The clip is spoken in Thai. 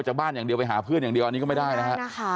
จากบ้านอย่างเดียวไปหาเพื่อนอย่างเดียวอันนี้ก็ไม่ได้นะฮะ